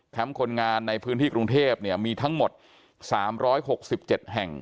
คนงานในพื้นที่กรุงเทพมีทั้งหมด๓๖๗แห่ง